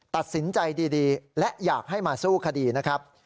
ตัดสินใจดีและอยากให้มาสู้คดีนะครับ